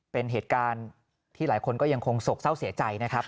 เป็นเหตุการณ์ที่หลายคนก็ยังคงโศกเศร้าเสียใจนะครับ